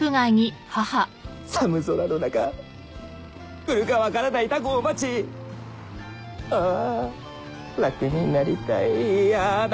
寒空の中来るか分からないタコを待ち「ああ楽になりたいいやダメだ」